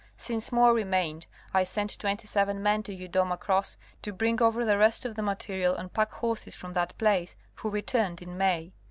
Since more re mained I sent twenty seven men to Yudoma Cross to bring over the rest of the material on pack horses from that place, who returned in May.